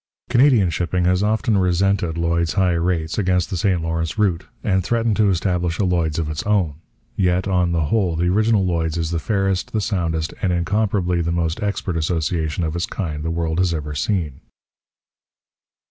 Canadian shipping has often resented Lloyd's high rates against the St Lawrence route, and threatened to establish a Lloyd's of its own. Yet, on the whole, the original Lloyd's is the fairest, the soundest, and incomparably the most expert association of its kind the world has ever seen.